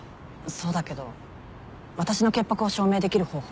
そうだけど私の潔白を証明できる方法